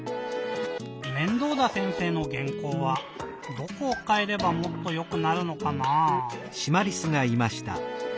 面倒田先生のげんこうはどこをかえればもっとよくなるのかなぁ？